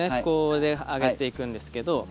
こうで上げていくんですけど。